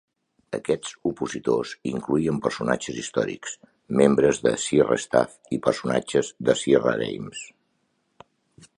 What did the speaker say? Aquests opositors incloïen personatges històrics, membres de Sierra staff, i personatges de Sierra Games.